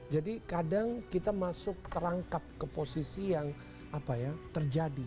jadi kadang kita masuk terangkap ke posisi yang terjadi